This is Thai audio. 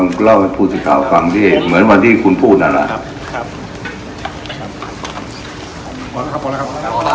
ลองเล่าให้ผู้สิทธิ์ข่าวฟังด้วยเหมือนวันที่คุณพูดนั่นแหละ